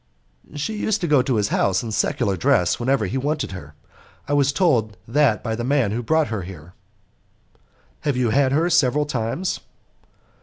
"She used to go to his house in secular dress whenever he wanted her. I was told that by the man who brought her here." "Have you had her several times?"